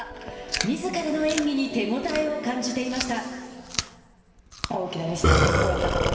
みずからの演技に手応えを感じていました。